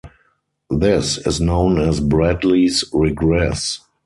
This is known as Bradley's regress.